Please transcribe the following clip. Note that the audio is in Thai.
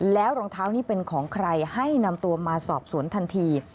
แล้วรองเท้านี้เป็นของใครให้นำตัวมาสอบสวนทันที